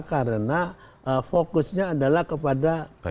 karena fokusnya adalah kepada mereka